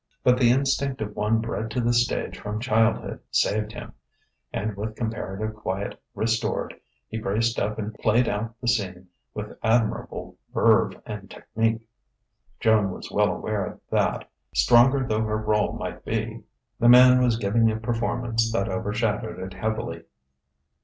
But the instinct of one bred to the stage from childhood saved him. And with comparative quiet restored, he braced up and played out the scene with admirable verve and technique. Joan was well aware that, stronger though her rôle might be, the man was giving a performance that overshadowed it heavily.